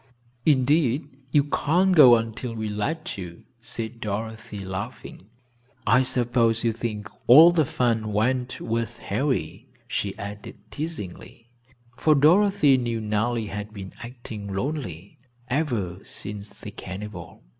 "Indeed you can't go until we let you," said Dorothy, laughing. "I suppose you think all the fun went with Harry," she added, teasingly, for Dorothy knew Nellie had been acting lonely ever since the carnival.